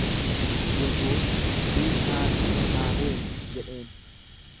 Yesuus, Hiikaatii haa deemu jedheen.